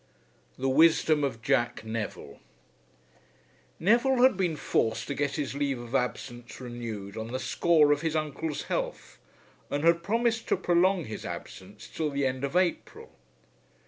THE WISDOM OF JACK NEVILLE. Neville had been forced to get his leave of absence renewed on the score of his uncle's health, and had promised to prolong his absence till the end of April.